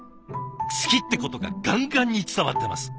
好きってことがガンガンに伝わってます。